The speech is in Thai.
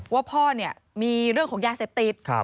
ว่าพ่อมีเรื่องของยาเสพติด